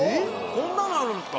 こんなのあるんすか？